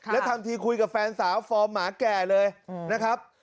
แล้วทำทีคุยกับแฟนสาวฟอร์มหมาแก่เลยนะครับ